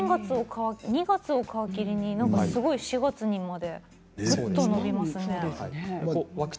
２月を皮切りに４月までぐっと伸びますね。